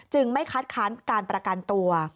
ไม่คัดค้านการประกันตัว